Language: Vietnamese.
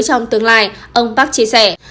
trong tương lai ông park chia sẻ